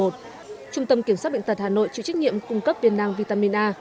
trung tâm kiểm soát bệnh tật hà nội chịu trách nhiệm cung cấp viên năng vitamin a